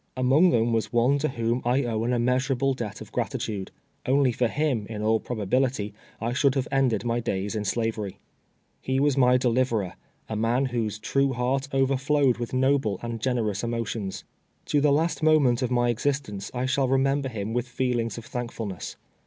Among them was one to whom I owe an immeas urable debt of gratitude. Only for him, in all prob ability, I should have ended my days in slavery. lie was my deliverer — a man whose true heart over flowcMl with mible and generous emotions. To the last moment of my existence I shall remember him with feelings of thankfulness.